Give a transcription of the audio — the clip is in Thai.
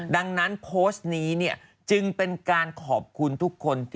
ดังนั้นโพสต์นี้เนี่ยจึงเป็นการขอบคุณทุกคน